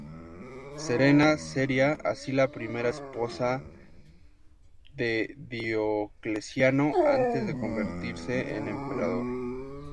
Serena sería así la primera esposa de Diocleciano antes de convertirse en emperador.